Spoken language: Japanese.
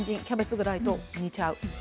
キャベツぐらいと煮ちゃう。